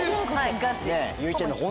ガチ。